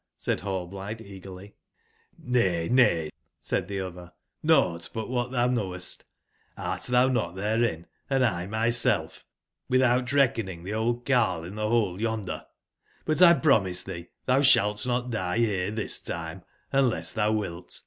said Rallblitbe eagerly j^ *' ]^ay, nay,'' said tbe otber, '' nougbt but wbat tbou knowest* Hrt tbou not tberein, and 1 myself; witb out reckoning tbe old carle in tbc bole yonder. But 1 promise tbee tbou sbalt not die bere tbis time, unless tbou wilt.